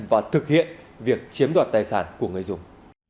và thực hiện việc chiếm đoạt tài sản của người dùng